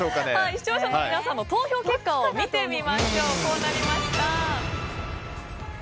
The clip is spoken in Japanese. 視聴者の皆さんの投票結果を見てみましょう。